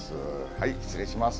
はい失礼します。